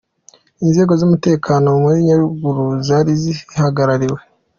Inzego z'umutekano muri Nyaruguru zari zihagarariwe.